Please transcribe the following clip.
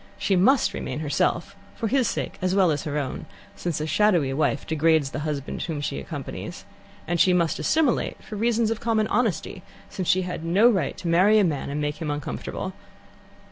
She must remain herself, for his sake as well as her own, since a shadowy wife degrades the husband whom she accompanies; and she must assimilate for reasons of common honesty, since she had no right to marry a man and make him uncomfortable.